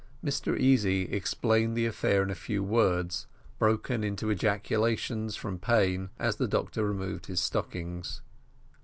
Mr Easy explained the affair in a few words broken into ejaculations from pain, as the doctor removed his stockings.